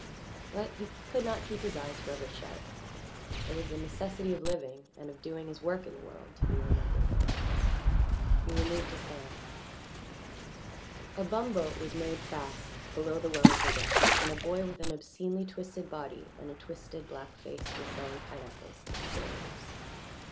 But he could not keep his eyes forever shut there was the necessity of living and of doing his work in the world to be remembered always. He removed his hand. A bumboat was made fast below the well of the deck, and a boy with an obscenely twisted body and a twisted black face was selling pineapples to the sailors.